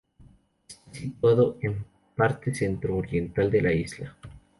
Está situado en parte centro-oriental de la isla.